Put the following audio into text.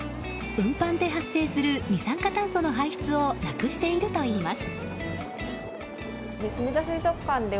運搬で発生する二酸化炭素の排出をなくしているといいます。